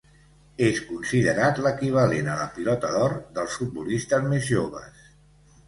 És considerat l'equivalent a la Pilota d'Or dels futbolistes més joves.